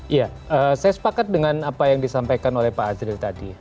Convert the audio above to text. iya saya sepakat dengan apa yang disampaikan oleh pak azril tadi